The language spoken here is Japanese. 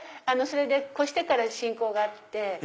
越してから親交があって。